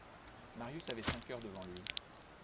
Marius avait cinq heures devant lui.